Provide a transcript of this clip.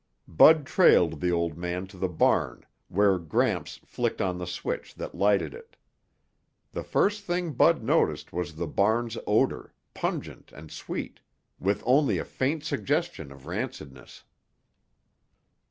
Bud trailed the old man to the barn where Gramps flicked on the switch that lighted it. The first thing Bud noticed was the barn's odor, pungent and sweet, with only a faint suggestion of rancidness.